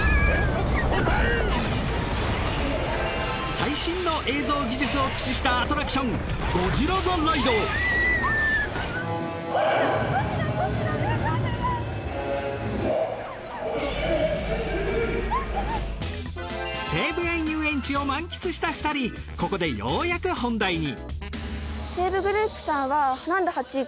最新の映像技術を駆使したアトラクションここでようやく本題に。